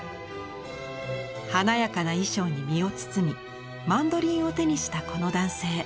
華やかな衣装に身を包みマンドリンを手にしたこの男性。